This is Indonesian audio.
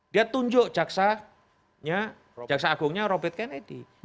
dia tunjuk jaksa agungnya robert kennedy